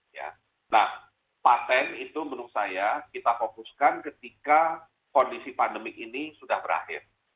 nah patent itu menurut saya kita fokuskan ketika kondisi pandemik ini sudah berakhir